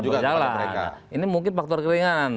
tetap berjalan ini mungkin faktor kelinganan